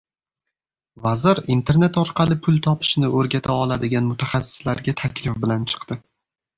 Vazir internet orqali pul topishni o‘rgata oladigan mutaxassislarga taklif bilan chiqdi